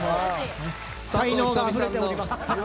才能があふれております。